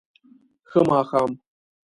ښه ماښام